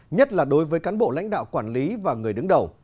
nhất là đối với cán bộ lãnh đạo quản lý và người đứng đầu